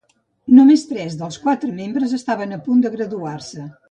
Només tres dels quatre membres estaven a punt de graduar-se.